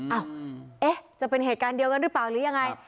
เอ้าเอ๊ะจะเป็นเหตุการณ์เดียวกันหรือเปล่าหรือยังไง